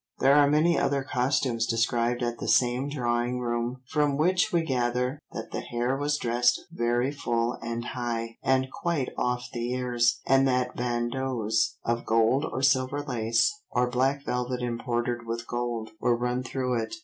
There are many other costumes described at the same Drawing Room, from which we gather that the hair was dressed very full and high, and quite off the ears, and that bandeaus of gold or silver lace, or black velvet embroidered with gold, were run through it.